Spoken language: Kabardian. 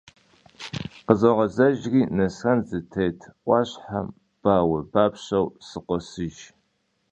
Khızoğezejjri Nesren zıtêt 'uaşhem bauebapşeu sıkhosıjj.